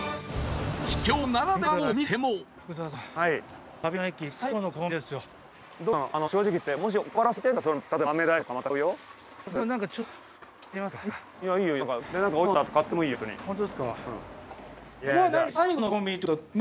秘境ならではのお店も。